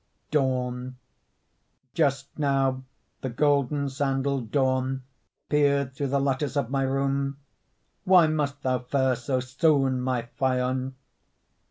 DAWN Just now the golden sandalled Dawn Peered through the lattice of my room; Why must thou fare so soon, my Phaon?